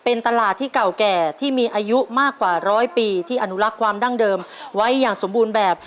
เป็นตลาดที่เก่าแก่ที่มีอายุมากกว่าร้อยปีที่อนุรักษ์ความดั้งเดิมไว้อย่างสมบูรณ์แบบ